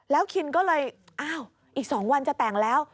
คินก็เลยอ้าวอีก๒วันจะแต่งแล้ว